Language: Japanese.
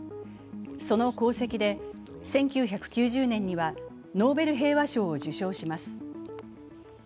その功績で１９９０年にはノーベル平和賞を受賞します。